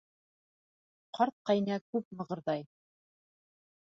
Ҡарт ҡәйнә күп мығырҙай.